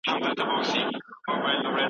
جاسوس د راز ساتلو لپاره زهر خوري.